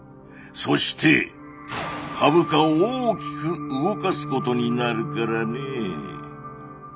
そして株価を大きく動かすことになるからねえ。